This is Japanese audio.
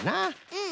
うん。